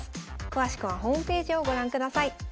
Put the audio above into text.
詳しくはホームページをご覧ください。